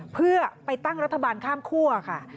เพื่อไปตั้งรัฐบาลข้ามคั่วค่ะ